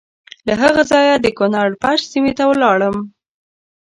له هغه ځایه د کنړ پَشَت سیمې ته ولاړم.